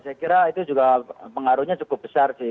saya kira itu juga pengaruhnya cukup besar sih